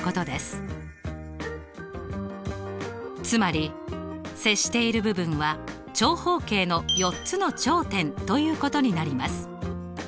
つまり接している部分は長方形の４つの頂点ということになります。